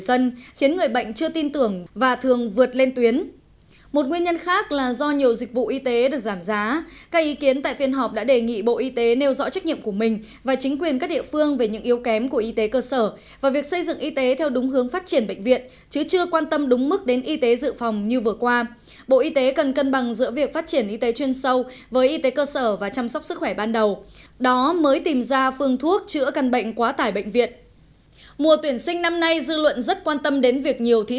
xin kính chào và hẹn gặp lại